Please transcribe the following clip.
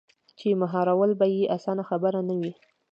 چـې مـهار ول بـه يـې اسـانه خبـره نـه وي.